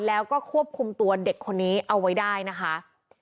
แล้วก็ควบคุมตัวเด็กคนนี้เอาไว้ได้นะคะ